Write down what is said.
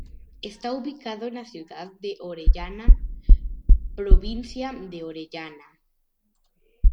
Está ubicado en la ciudad de Orellana, provincia de Orellana.